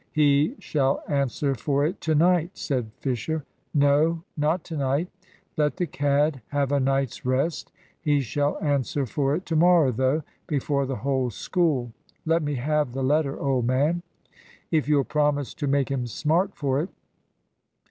"He shall answer for it to night!" said Fisher. "No, not to night. Let the cad have a night's rest. He shall answer for it to morrow, though, before the whole School. Let me have the letter, old man." "If you'll promise to make him smart for it."